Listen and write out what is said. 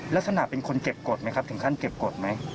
ลักษณะเป็นคนเก็บกฎไหมครับถึงขั้นเก็บกฎไหม